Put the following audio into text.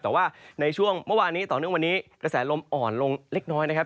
แต่ว่าในช่วงเมื่อวานนี้ต่อเนื่องวันนี้กระแสลมอ่อนลงเล็กน้อยนะครับ